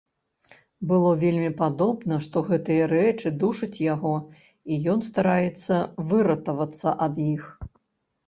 Было вельмі падобна, што гэтыя рэчы душаць яго і ён стараецца выратавацца ад іх.